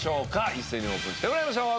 一斉にオープンしてもらいましょう。